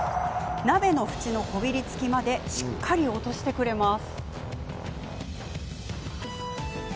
鍋の縁のこびりつきまでしっかり落としてくれます。